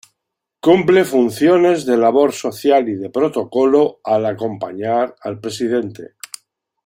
Cumple funciones de labor social y de protocolo al acompañar al Presidente.